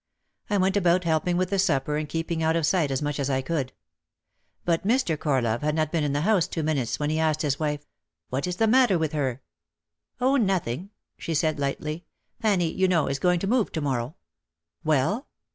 I went about helping with the supper and keeping out of sight as much as I could. But Mr. Corlove had not been in the house two minutes when he asked his wife: "What is the matter with her?" "Oh, nothing," she said lightly, "Fannie, you know, is going to move to morrow." "Well?"